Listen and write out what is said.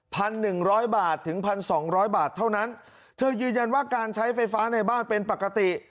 หนึ่งร้อยบาทถึงพันสองร้อยบาทเท่านั้นเธอยืนยันว่าการใช้ไฟฟ้าในบ้านเป็นปกติ